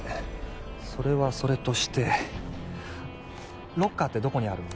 それはそれとしてロッカーってどこにあるの？